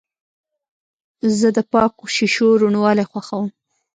زه د پاکو شیشو روڼوالی خوښوم.